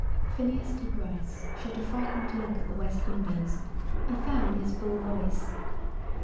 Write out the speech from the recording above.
Phineas T. Gryce shot a frightened look at the west windows and found his full voice.